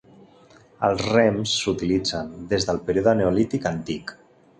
Els rems s'utilitzen des del període neolític antic.